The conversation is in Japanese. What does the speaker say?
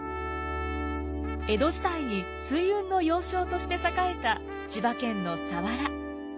江戸時代に水運の要衝として栄えた千葉県の佐原。